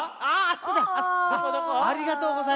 あらありがとう！